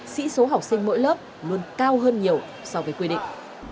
sĩ số học sinh mỗi lớp luôn cao hơn nhiều so với quy định